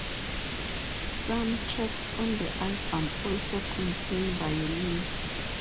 Some tracks on the album also contain violins.